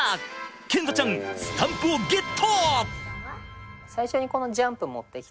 賢澄ちゃんスタンプをゲット！